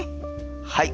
はい。